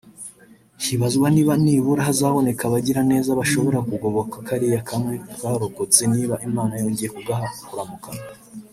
hibazwa niba nibura hazaboneka abagira neza bashobora kugoboka kariya kamwe karokotse niba Imana yongeye kugaha kuramuka